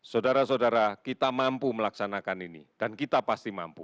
saudara saudara kita mampu melaksanakan ini dan kita pasti mampu